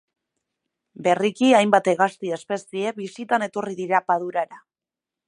Berriki hainbat hegazti espezie bisitan etorri dira padurara.